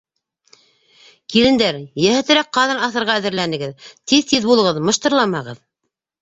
— Килендәр, йәһәтерәк ҡаҙан аҫырға әҙерләнегеҙ, тиҙ-тиҙ булығыҙ, мыштырламағыҙ!